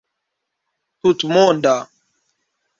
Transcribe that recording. tutmonda